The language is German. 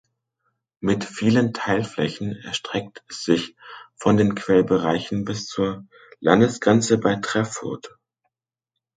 Mit vielen Teilflächen erstreckt es sich von den Quellbereichen bis zur Landesgrenze bei Treffurt.